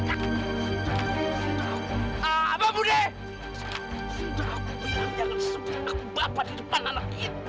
jangan sebut aku bapak di depan anak itu